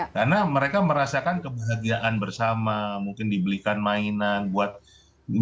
karena mereka merasakan kebahagiaan bersama mungkin dibelikan mainan